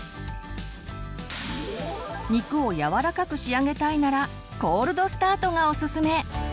肉をやわらかく仕上げたいならコールドスタートがおすすめ。